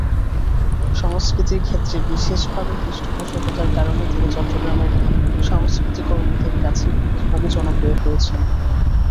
সংস্কৃতির ক্ষেত্রে বিশেষভাবে পৃষ্ঠপোষকতার কারণে তিনি চট্টগ্রামের সংস্কৃতিকর্মীদের কাছে বিশেষভাবে জনপ্রিয় হয়েছেন।